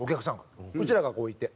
うちらがこういて。